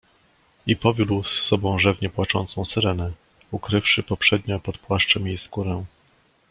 "I powiódł z sobą rzewnie płaczącą Syrenę, ukrywszy poprzednio pod płaszczem jej skórę."